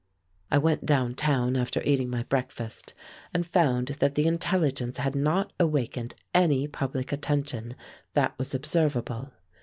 I went down town after eating my breakfast and found that the intelligence had not awakened any public attention that was observable.